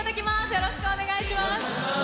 よろしくお願いします。